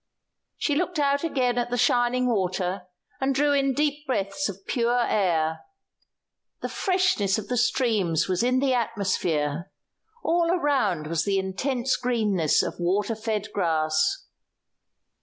She looked out again at the shining water, and drew in deep breaths of pure air. The freshness of the streams was in the atmosphere; all around was the intense greenness of water fed grass.